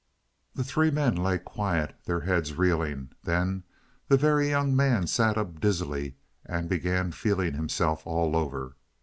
The three men lay quiet, their heads reeling. Then the Very Young Man sat up dizzily and began feeling himself all over.